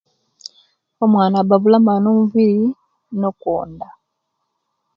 Omuwana aba abula amani omubiri nokwonda